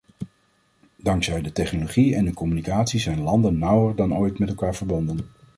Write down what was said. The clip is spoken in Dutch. Dankzij de technologie en de communicatie zijn landen nauwer dan ooit met elkaar verbonden.